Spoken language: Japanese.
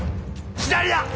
左だ！